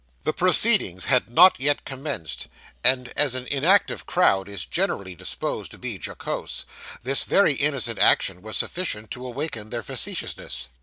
The proceedings had not yet commenced; and as an inactive crowd is generally disposed to be jocose, this very innocent action was sufficient to awaken their facetiousness.